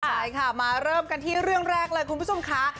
ใช่ค่ะมาเริ่มกันที่เรื่องแรกเลยคุณผู้ชมค่ะ